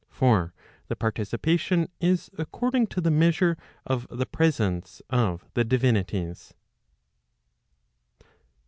For the parti¬ cipation is according to the measure of the presence of the divinities.